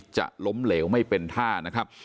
จะล้มเหลวไม่เป็นท่านะครับ